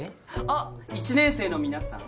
あっ１年生の皆さん。